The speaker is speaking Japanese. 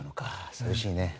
寂しいね。